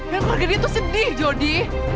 dan karyanya tuh sedih jody